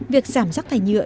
việc giảm rác thải nhựa